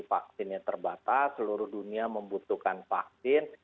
vaksinnya terbatas seluruh dunia membutuhkan vaksin